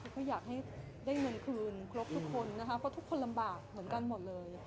ก็อยากให้ได้เงินคืนครบทุกคนนะคะเพราะทุกคนลำบากเหมือนกันหมดเลย